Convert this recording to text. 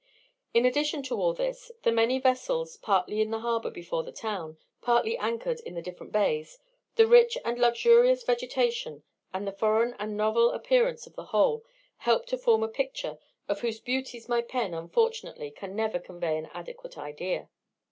In addition to all this, the many vessels, partly in the harbour before the town, partly anchored in the different bays, the rich and luxuriant vegetation, and the foreign and novel appearance of the whole, help to form a picture, of whose beauties my pen, unfortunately, can never convey an adequate idea.